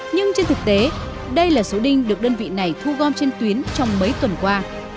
nhưng trên thực tế đây là số đinh được đơn vị này thu gom trên tuyến trong mấy tuần qua